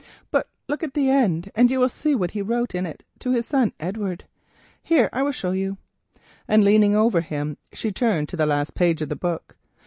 But look at the end and you will see what he wrote in it to his son, Edward. Here, I will show you," and leaning over him she turned to the last page of the book.